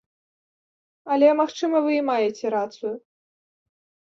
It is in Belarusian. Але, магчыма, вы і маеце рацыю.